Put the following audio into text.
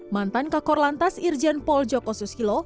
mantan kakor lantas irjen pol joko susilo